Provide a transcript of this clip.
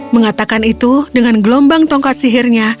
mengatakan itu dengan gelombang tongkat sihirnya